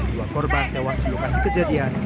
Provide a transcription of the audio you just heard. dua korban tewas di lokasi kejadian